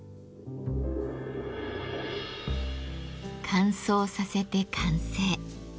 乾燥させて完成。